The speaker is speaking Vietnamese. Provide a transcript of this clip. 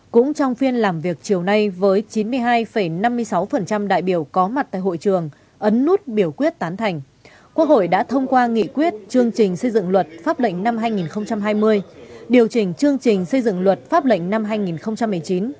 cũng trong phiên làm việc chiều nay với chín mươi hai năm mươi sáu đại biểu có mặt tại hội trường ấn nút biểu quyết tán thành quốc hội đã thông qua nghị quyết chương trình xây dựng luật pháp lệnh năm hai nghìn hai mươi điều chỉnh chương trình xây dựng luật pháp lệnh năm hai nghìn một mươi chín